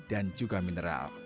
dan juga minyak